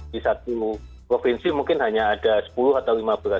di satu provinsi mungkin hanya ada sepuluh atau lima belas